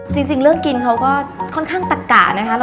จริงเรื่องกินเขาก็ค่อนข้างตะกะนะคะ